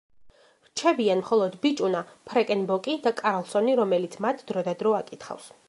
რჩებიან მხოლოდ ბიჭუნა, ფრეკენ ბოკი და კარლსონი, რომელიც მათ დრო და დრო აკითხავს.